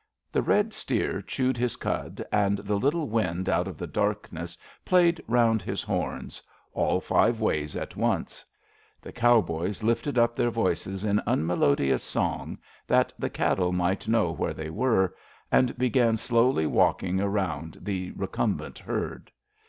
'' The red steer chewed his cud, and the little wind out of the darkness played round his horns — ^all five ways at once. The cowboys lifted up their voices in unmelodious song, that the cattle might know where they were, and began slowly walking round the recumbent herd.